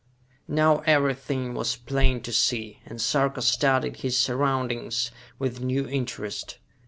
Now everything was plain to see, and Sarka studied his surroundings with new interest.